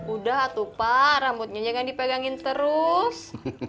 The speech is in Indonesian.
udah tuh pak rambutnya jangan dipegangin terus